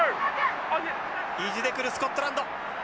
意地で来るスコットランド。